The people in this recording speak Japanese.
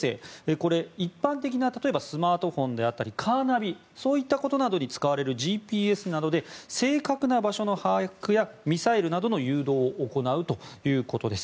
これ、一般的な例えばスマートフォンであったりカーナビそういったことなどに使われるＧＰＳなどで正確な場所の把握やミサイルなどの誘導を行うということです。